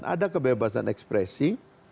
ada kebebasan ekspresi